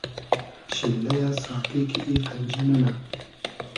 شیللئیۂ ساقی کی ای قئنجی نئنۂ